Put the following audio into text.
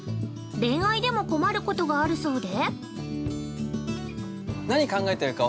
恋愛でも困ることがあるそうで。